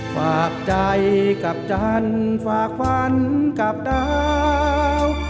ฝากใจกับจันทร์ฝากฝันกับดาว